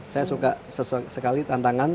saya suka sekali tantangan